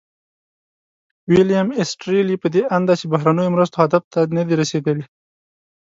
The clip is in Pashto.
ویلیم ایسټیرلي په دې اند دی چې بهرنیو مرستو هدف ته نه دي رسیدلي.